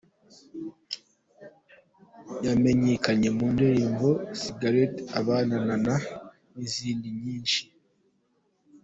Yamenyekanye mu ndirimbo Cigarette Abana, Nanale, n’izindi nyinshi.